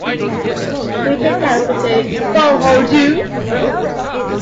Major towns include: Bohodou.